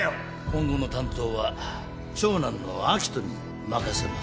今後の担当は長男の明人に任せます。